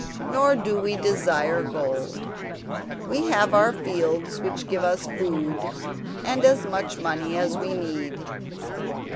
Nor do we desire gold. We have our fields which give us food, and as much money as we need.